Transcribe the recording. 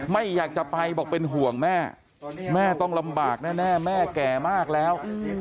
ไม่อยากจะไปบอกเป็นห่วงแม่แม่ต้องลำบากแน่แม่แก่มากแล้ว